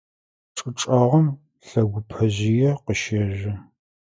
ЧӀы чӀэгъым лэгъупэжъые къыщэжъо.